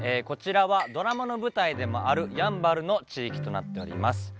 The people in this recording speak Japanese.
こちらはドラマの舞台でもあるやんばるの地域となっております。